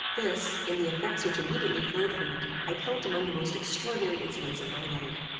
This, in the effects which immediately flowed from it, I count among the most extraordinary incidents of my life.